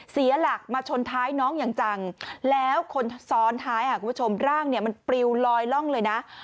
เสียหลักมาชนท้ายน้องอย่างจังแล้วคนซ้อนท้ายคุณผู้ชมร่างเนี่ยมันปลิวลอยล่องเลยนะ